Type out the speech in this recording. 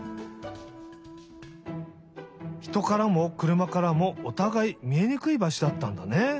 ひとからもくるまからもおたがいみえにくいばしょだったんだね。